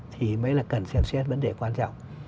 thì mới là cần xem xét vấn đề quan trọng